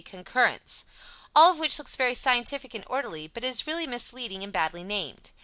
Concurrence. All of which looks very scientific and orderly, but is really misleading and badly named.